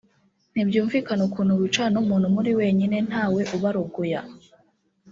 Ntibyumvikana ukuntu wicarana n’umuntu muri mwenyine ntawe ubarogoya